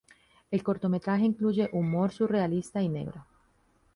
El cortometraje incluye humor surrealista y negro.